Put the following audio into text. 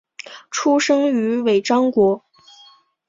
出生于尾张国。